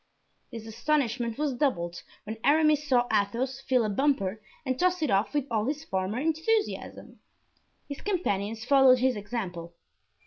This astonishment was doubled when Aramis saw Athos fill a bumper and toss it off with all his former enthusiasm. His companions followed his example.